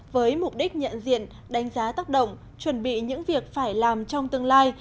với mục đích nhận diện đánh giá tác động chuẩn bị những việc phải làm trong tương lai